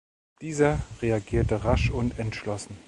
Dieser reagierte rasch und entschlossen.